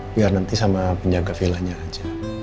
biar nanti sama penjaga vilanya aja